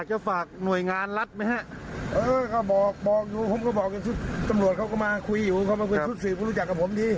เออเขาบอกบอกอยู่ผมก็บอกตำรวจเขาก็มาคุยอยู่เขามาคุยทุกสิทธิ์รู้จักกับผมดี